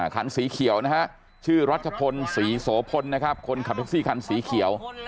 คันสีเขียวนะฮะชื่อรัชพลศรีโสพลนะครับคนขับแท็กซี่คันสีเขียว